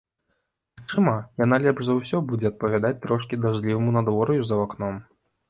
Магчыма, яна лепш за ўсё будзе адпавядаць трошкі дажджліваму надвор'ю за вакном.